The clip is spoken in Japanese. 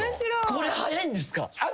これ早いんですか？